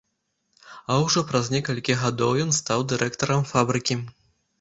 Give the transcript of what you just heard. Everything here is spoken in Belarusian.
А ўжо праз некалькі гадоў ён стаў дырэктарам фабрыкі.